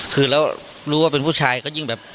คือแล้วรู้ว่าเป็นผู้ชายก็ยิ่งแบบ